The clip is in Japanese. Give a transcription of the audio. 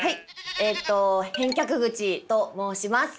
えっと返却口と申します。